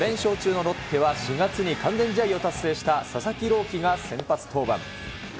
５連勝中のロッテは、４月に完全試合を達成した佐々木朗希が先発登板。